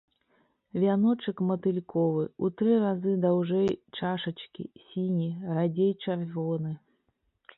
Вяночак матыльковы, у тры разы даўжэй чашачкі, сіні, радзей чырвоны.